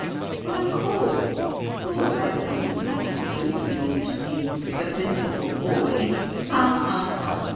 "Well, of course Lord Redhill wouldn't like his daughter in law to be " "The Principal Boy ha! ha! ha!